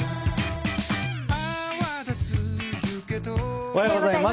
おはようございます。